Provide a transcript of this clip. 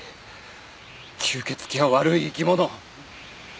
吸血鬼は悪い生き物！